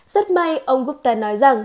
rất may ông gupta nói rằng